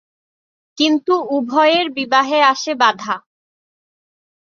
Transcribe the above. কিন্তু উভয়ের বিবাহে আসে বাধা।